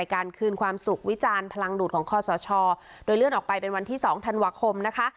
การคืนความสุขวิจารณ์พลังดูดของคอสชโดยเลื่อนออกไปเป็นวันที่๒ธันวาคมนะคะ